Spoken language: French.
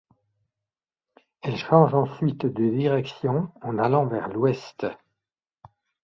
Elle change ensuite de direction en allant vers l’ouest.